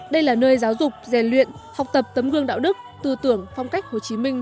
đây là nơi giáo dục rèn luyện học tập tấm gương đạo đức tư tưởng phong cách hồ chí minh